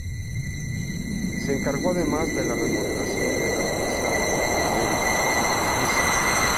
Se encargó además de la remodelación de la Piazza dei Cavalieri de Pisa.